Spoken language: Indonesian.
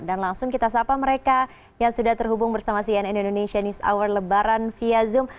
dan langsung kita sapa mereka yang sudah terhubung bersama cnn indonesia news hour lebaran via zoom